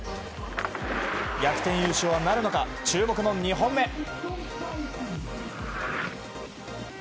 逆転優勝はなるのか注目の２本目。